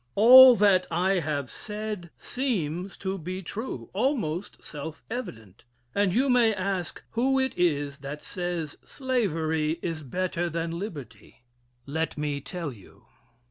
II. ALL that I have said seems to be true almost self evident, and you may ask who it is that says slavery is better than liberty. Let me tell you.